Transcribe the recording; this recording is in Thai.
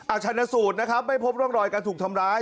ชนสูตรนะครับไม่พบร่องรอยการถูกทำร้าย